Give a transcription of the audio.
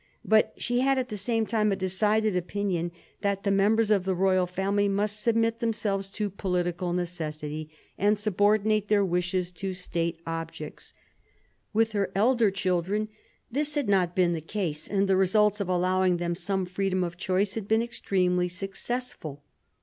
But she had at the same time a decided opinion that the members of the royal family must submit themselves to political necessity, and subordinate their wishes to State objects. With her elder children this had not been the case, and the results of allowing them some freedom of choice had been extremely successful.